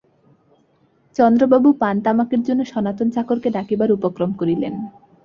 চন্দ্রবাবু পান-তামাকের জন্য সনাতন চাকরকে ডাকিবার উপক্রম করিলেন।